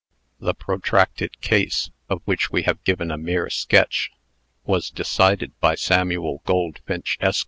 The protracted case of which we have given a mere sketch was decided by Samuel Goldfinch, Esq.